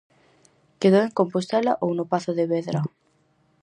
Quedou en Compostela ou no pazo de Vedra?